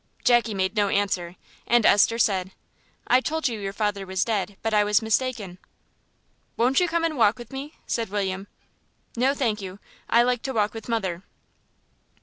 Jackie made no answer, and Esther said, "I told you your father was dead, but I was mistaken." "Won't you come and walk with me?" said William. "No, thank you; I like to walk with mother."